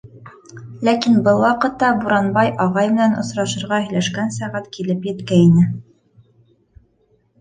Ләкин был ваҡытта Буранбай ағай менән осрашырға һөйләшкән сәғәт килеп еткәйне.